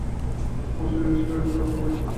আমার শরীরেও শিকারীদের রক্ত বইছে।